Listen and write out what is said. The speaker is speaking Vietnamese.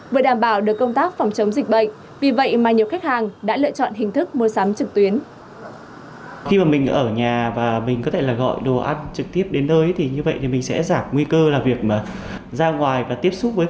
vừa đảm bảo được công tác phòng trả linh hoạt